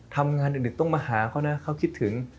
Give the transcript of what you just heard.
ถ้าเกิดดึกต้องมาหาเขานะเขาคิดถึง